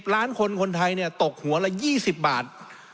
ล้านคนคนไทยตกหัวละ๒๐บาท